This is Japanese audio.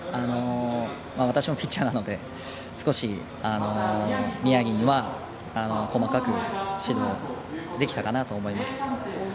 私もピッチャーなので少し、宮城には細かく指導できたかなと思います。